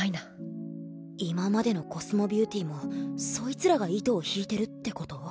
今までのコスモビューティーもそいつらが糸を引いてるって事？